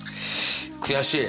悔しい。